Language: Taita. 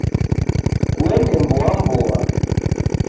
Kuende mboa mboa